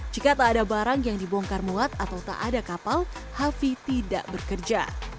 jika tak ada barang yang dibongkar muat atau tak ada kapal hafi tidak bekerja